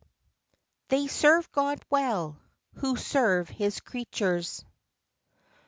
They serve God well, Who serve His creatures.